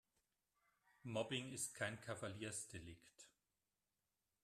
Mobbing ist kein Kavaliersdelikt.